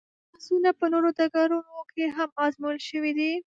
دغه بحثونه په نورو ډګرونو کې هم ازمویل شوي دي.